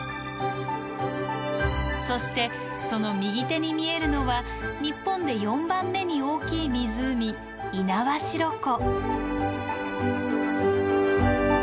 そしてその右手に見えるのは日本で４番目に大きい湖猪苗代湖。